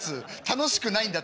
楽しくないんだ。